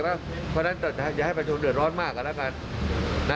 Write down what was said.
เพราะฉะนั้นอย่าให้ประชาชนเดือดร้อนมากกันแล้วกัน